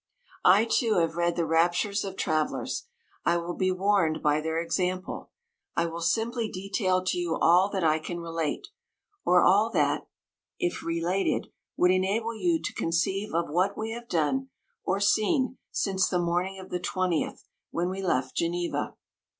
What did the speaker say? I too have read the raptures of travellers ; 1 will be warned by their example; I will simply detail to you all that I can relate, or all that, if re lated, would enable you to conceive of what we have done or seen since the morning of the 20th, when we left Geneva.